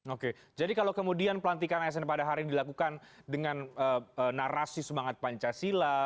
oke jadi kalau kemudian pelantikan asn pada hari ini dilakukan dengan narasi semangat pancasila